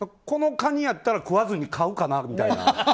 このカニやったら食わずに買うかなみたいな。